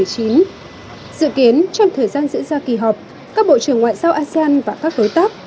dự kiến trong thời gian diễn ra kỳ họp các bộ trưởng ngoại giao asean và các đối tác